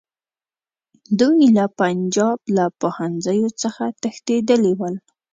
دوی له پنجاب له پوهنځیو څخه تښتېدلي ول.